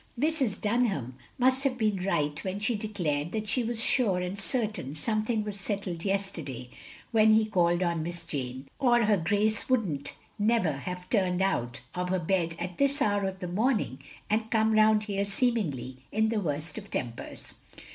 Mrs. Dunham must have been right when she declared that she was sure and certain something was settled yesterday, when he called on Miss Jane; or her Grace would n't never have turned out of her bed at this hour of the morning, and come round here seemingly in the worst of tempers.''